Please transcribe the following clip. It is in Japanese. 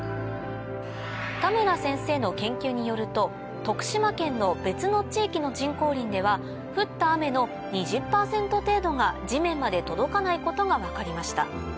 田村先生の研究によると徳島県の別の地域の人工林では降った雨の２０％程度が地面まで届かないことが分かりました